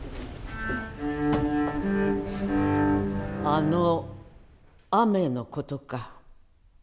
「あの雨のことか」。